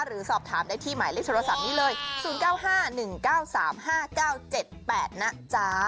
หรือสอบถามได้ที่หมายเลขโทรศัพท์นี้เลย๐๙๕๑๙๓๕๙๗๘นะจ๊ะ